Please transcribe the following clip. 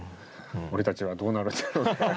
俺たちはどうなるんだろう。